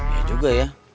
ya juga ya